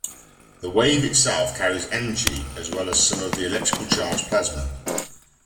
The wave itself carries energy as well as some of the electrically charged plasma.